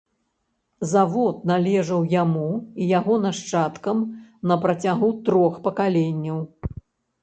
Завод належаў яму і яго нашчадкам на працягу трох пакаленняў.